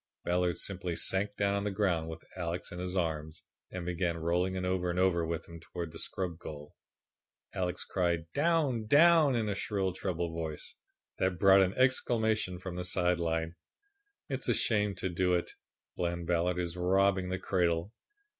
Ballard simply sank down on the ground with Alex in his arms and began rolling over and over with him towards the scrub goal. Alex cried "Down! Down!" in a shrill, treble voice that brought an exclamation from the side line. "It's a shame to do it. Bland Ballard is robbing the cradle."